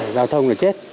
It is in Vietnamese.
không là chết